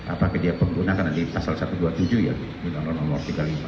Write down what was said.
apakah dia pengguna karena di pasal satu ratus dua puluh tujuh ya undang undang nomor tiga puluh lima